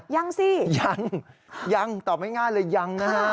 ยังสิยังยังตอบไม่ง่ายเลยยังนะฮะ